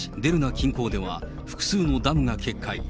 近郊では、複数のダムが決壊。